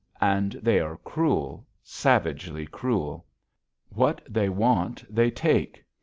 And they are cruel, savagely cruel. What they want, they take.